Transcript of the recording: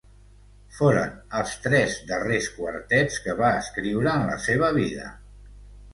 Foren els tres darrers quartets que va escriure en la seva vida.